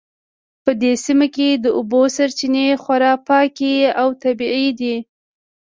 په دې سیمه کې د اوبو سرچینې خورا پاکې او طبیعي دي